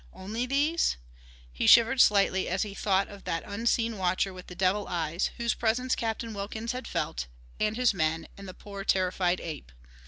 Only these? He shivered slightly as he thought of that unseen watcher with the devil eyes whose presence Captain Wilkins had felt and his men, and the poor terrified ape!